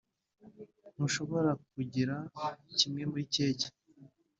ntushobora kugira kimwe muri keke.